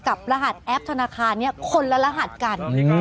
กับรหัสแอปธนาคารคนละรหัสกัน